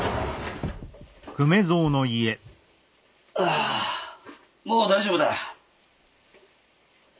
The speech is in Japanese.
ああもう大丈夫だ。